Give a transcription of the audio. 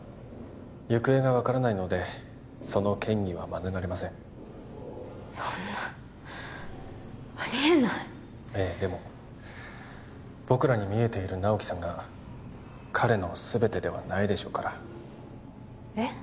行方が分からないのでその嫌疑は免れませんそんなありえないええでも僕らに見えている直木さんが彼の全てではないでしょうからえっ？